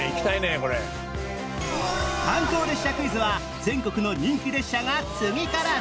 観光列車クイズは全国の人気列車が次から次へ！